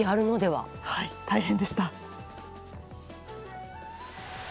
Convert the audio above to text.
はい大変でした。